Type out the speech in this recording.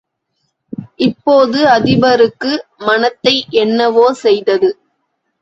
இப்போது அதிபருக்கு மனத்தை என்னவோ செய்தது.